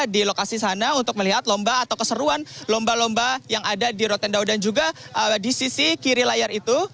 di lokasi sana untuk melihat lomba atau keseruan lomba lomba yang ada di rotendao dan juga di sisi kiri layar itu